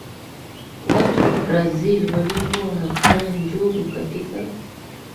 watu wa Brazil waliokuwa wanakusanya njugu katika